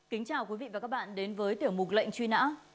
kính chào quý vị và các bạn đến với tiểu mục lệnh truy nã